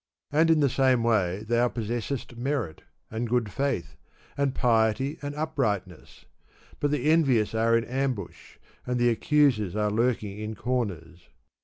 ' And in the same way thou possessest merit, and good Outh, and piety, and uprightness ; but the envious are in ambush, and the accusers are lurking in comers.